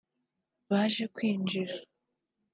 baje kwinjira